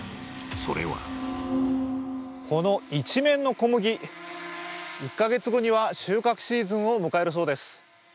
それはこの一面の小麦、１カ月後には収穫シーズンを迎えるそうです。